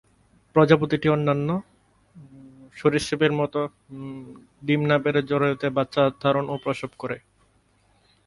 প্রজাতিটি অন্যান্য সরীসৃপের মত ডিম না পেড়ে জরায়ুতে বাচ্চা ধারণ ও প্রসব করে।